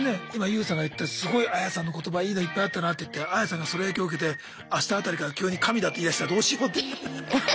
今ＹＯＵさんが言ったすごいアヤさんの言葉いいのいっぱいあったなっていってアヤさんがその影響受けて明日辺りから急に神だって言いだしたらどうしようって。